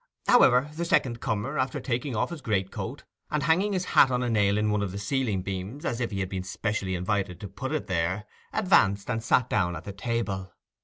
However, the second comer, after taking off his greatcoat, and hanging his hat on a nail in one of the ceiling beams as if he had been specially invited to put it there, advanced and sat down at the table.